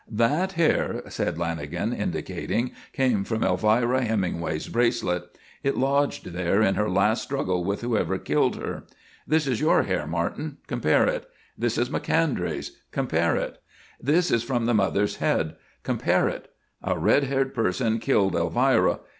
"That hair," said Lanagan, indicating, "came from Elvira Hemingway's bracelet. It lodged there in her last struggle with whoever killed her. This is your hair, Martin; compare it. This is Macondray's; compare it. This is from the mother's head; compare it. A red haired person killed Elvira.